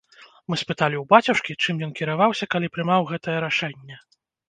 Мы спыталі ў бацюшкі, чым ён кіраваўся, калі прымаў гэтае рашэнне.